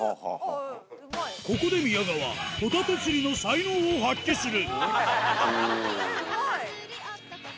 ここで宮川ホタテ釣りの才能を発揮するえっうまい！